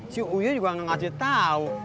si uyuy juga gak ngasih tahu